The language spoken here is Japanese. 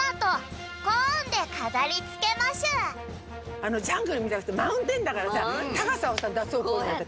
あのジャングルみたいじゃなくてマウンテンだからさ高さをさだそうとおもって。